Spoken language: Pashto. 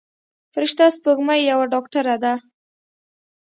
فرشته سپوږمۍ یوه ډاکتره ده.